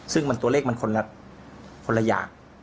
ซึ่งตัวเลขมันคนละอย่าง